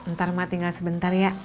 ntar mbak tinggal sebentar ya